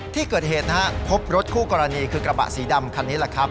ที่เกิดเหตุนะครับพบรถคู่กรณีคือกระบะสีดำคันนี้แหละครับ